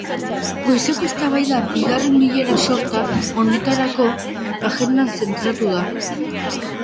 Goizeko eztabaida bigarren bilera-sorta honetarako agendan zentratu da.